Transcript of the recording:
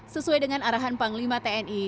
sesuai dengan arahan panglima tni